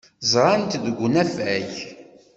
Ẓran-t deg unafag.